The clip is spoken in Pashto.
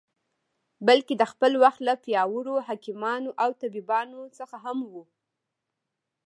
بلکې د خپل وخت له پیاوړو حکیمانو او طبیبانو څخه هم و.